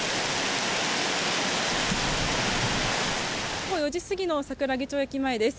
午後４時過ぎの桜木町駅前です。